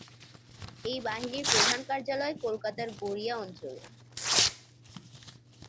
এই বাহিনীর প্রধান কার্যালয় কলকাতার গড়িয়া অঞ্চলে।